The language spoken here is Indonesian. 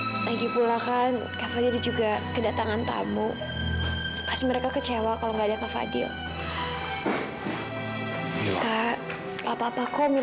soalnya alena masih banyak kerjaan di kantor